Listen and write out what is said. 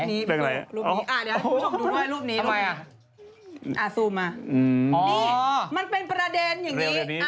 อ่ะเดี๋ยวให้คุณผู้ชมดูรูปนี้รูปนี้อ่ะซูมมานี่มันเป็นประเด็นอย่างนี้